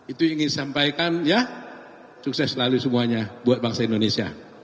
itu ingin sampaikan ya sukses selalu semuanya buat bangsa indonesia